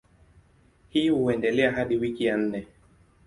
Hii huendelea hadi wiki ya nne.